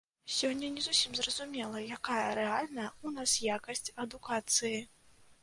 Сёння не зусім зразумела, якая рэальная ў нас якасць адукацыі.